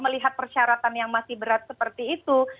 melihat persyaratan yang masih berat seperti itu